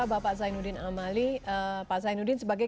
bapak zainuddin amali pak zainuddin sebagai